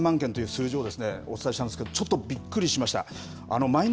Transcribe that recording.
今、およそ１３万件という数字をお伝えしたんですけれども、ちょっとびっくりしました。